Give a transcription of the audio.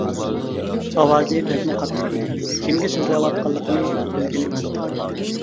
ئاۋازى بەكمۇ قاتتىق ئىدى، كىمگە سۆزلەۋاتقانلىقىنى بىلگىلى بولمايتتى.